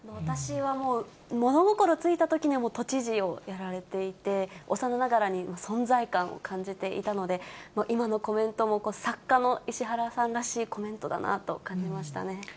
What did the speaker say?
私はもう、物心ついたときには都知事をやられていて、おさなながらに存在感を感じていたので、今のコメントも作家の石原さんらしいコメントだなと感じましたね。